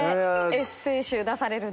エッセー集出されるんですね。